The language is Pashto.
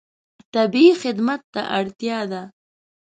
طبیعي خدمت ته اړتیا ده.